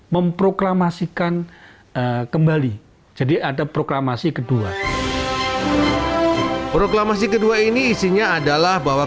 memproklamasikan kembali jadi ada proklamasi kedua proklamasi kedua ini isinya adalah bahwa